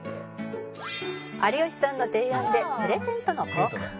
「有吉さんの提案でプレゼントの交換を」